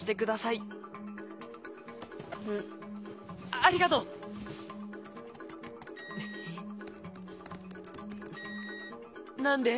ありがとう！何で？